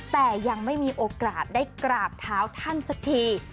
แต่ยังไม่มีโอกาสได้กราบเท้าท่านสักที